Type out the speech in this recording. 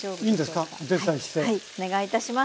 はいお願いいたします。